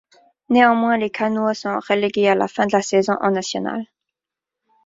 Néanmoins, les cannois sont relégués à la fin de la saison en National.